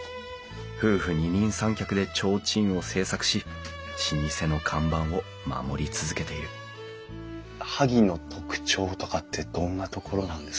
夫婦二人三脚で提灯を製作し老舗の看板を守り続けている萩の特徴とかってどんなところなんですかね？